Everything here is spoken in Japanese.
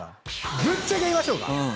ぶっちゃけ言いましょうか。